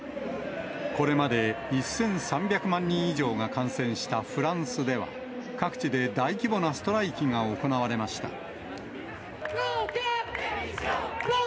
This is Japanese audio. これまで１３００万人以上が感染したフランスでは、各地で大規模なストライキが行われました。